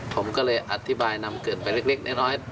ผมก็เลยอธิบายนำเกิดไปเล็กน้อย